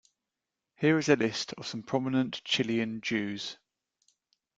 Here is a list of some prominent Chilean Jews.